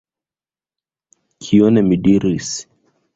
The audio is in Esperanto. Kion mi diris?